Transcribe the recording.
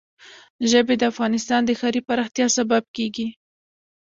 ژبې د افغانستان د ښاري پراختیا سبب کېږي.